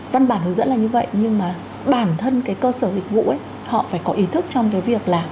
văn bản hướng dẫn là như vậy nhưng mà bản thân cái cơ sở dịch vụ ấy họ phải có ý thức trong cái việc là